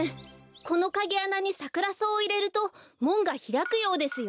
このカギあなにサクラソウをいれるともんがひらくようですよ。